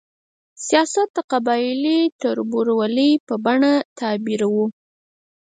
سیاست د قبایلي تربورولۍ په بڼه تعبیروو.